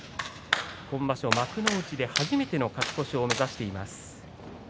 今場所、幕内で初めての勝ち越しを目指しています。